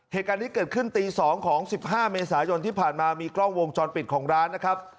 เหตุการณ์นี้เกิดขึ้นตี๒ของ๑๕เมษายนที่ผ่านมามีกล้องวงจรปิดของร้านนะครับ